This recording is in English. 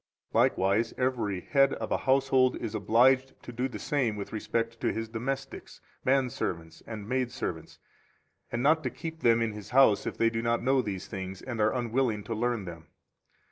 17 Likewise every head of a household is obliged to do the same with respect to his domestics, man servants and maid servants, and not to keep them in his house if they do not know these things and are unwilling to learn them.